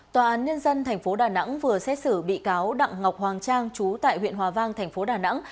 tòa án nhân dân tp đà nẵng vừa xét xử bị cáo đặng ngọc hoàng trang chú tại huyện hòa vang thành phố đà nẵng